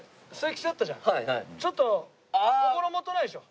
ちょっと心もとないでしょ？